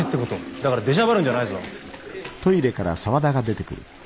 だから出しゃばるんじゃないぞ。